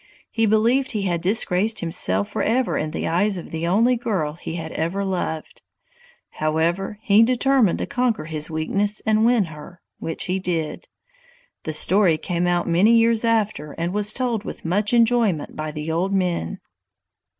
He believed he had disgraced himself forever in the eyes of the only girl he had ever loved. However, he determined to conquer his weakness and win her, which he did. The story came out many years after and was told with much enjoyment by the old men.